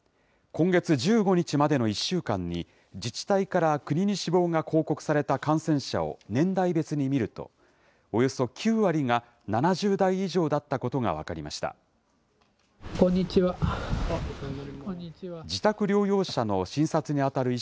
今月１５日までの１週間に、自治体から国に死亡が報告された感染者を年代別に見ると、およそ９割が７０代以上だったことが分かりました。